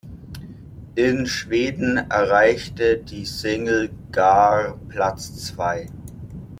In Schweden erreichte die Single gar Platz zwei.